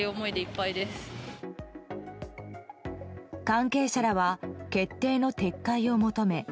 関係者らは決定の撤回を求め